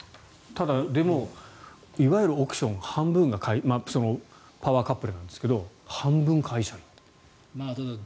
ただ、いわゆる億ション半分がパワーカップルなんですけど半分、会社員だと。